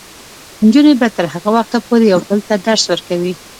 نجونې به تر هغه وخته پورې یو بل ته درس ورکوي.